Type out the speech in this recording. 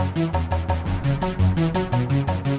ledang ledang ledang